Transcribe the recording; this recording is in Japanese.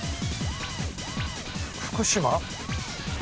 福島？